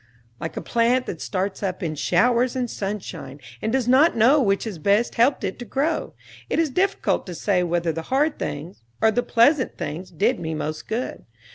Like a plant that starts up in showers and sunshine and does not know which has best helped it to grow, it is difficult to say whether the hard things or the pleasant things did me most good.